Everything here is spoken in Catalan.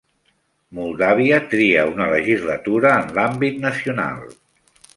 Moldàvia tria una legislatura en l'àmbit nacional.